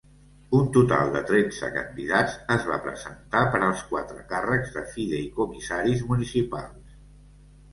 Un total de tretze candidats es va presentar per als quatre càrrecs de fideïcomissaris municipals.